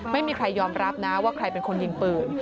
ไม่มีใครยอมรับนะว่าใครเป็นคนยิงปืน